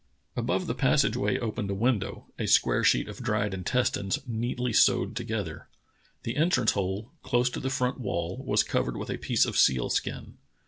Above the passage way opened a window, a square sheet of dried intestines, neatly sewed together. The entrance hole, close to the front wall, was covered with a piece of seal skin.